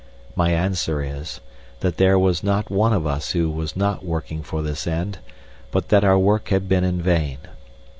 My answer is, that there was not one of us who was not working for this end, but that our work had been in vain.